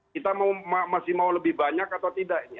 kita masih mau lebih banyak atau tidak ini